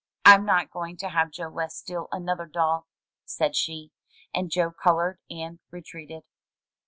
"Fm not going to have Joe West steal another doll,'* said she. And Joe colored and retreated.